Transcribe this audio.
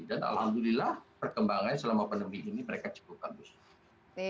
dan alhamdulillah perkembangan selama pandemi ini mereka cukup bagus